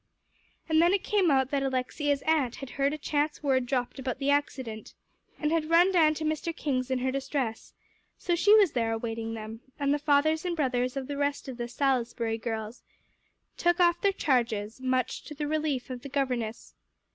And then it came out that Alexia's aunt had heard a chance word dropped about the accident, and had run down to Mr. King's in her distress, so she was there awaiting them; and the fathers and brothers of the rest of the "Salisbury girls" took off their charges, much to the relief of the governess.